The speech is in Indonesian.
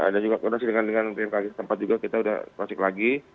dan juga kondisi dengan pmkg setempat juga kita sudah prosik lagi